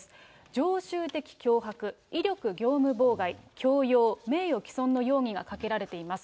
常習的脅迫、威力業務妨害、強要、名誉毀損の容疑がかけられています。